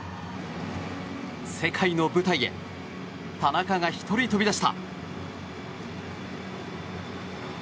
世界の舞台へ田中が１人飛び出した。